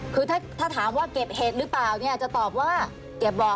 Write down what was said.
คือถ้าถามว่าเก็บเฮ็ดหรือเปล่าจะตอบว่าเก็บหรือเปล่า